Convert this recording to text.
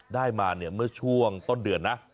ได้มาเมื่อช่วงต้นเดือนนะ